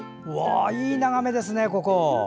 いい眺めですね。